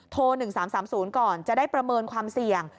โทร๑๓๓๐ก่อนจะได้ประเมินความเสี่ยง